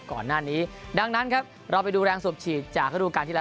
ก่อนหน้านี้ดังนั้นครับเราไปดูแรงสูบฉีดจากฤดูการที่แล้ว